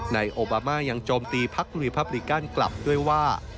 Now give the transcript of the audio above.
นายโอบามายังโจมตีพักรีพับริกันกลับด้วยว่า